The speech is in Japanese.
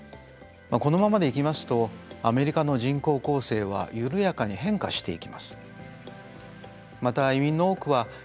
このままでいきますとアメリカの人口構成は緩やかに変化していきます。